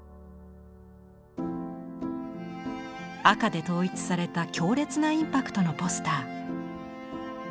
赤で統一された強烈なインパクトのポスター。